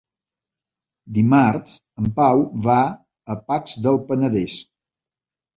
Dimarts en Pau va a Pacs del Penedès.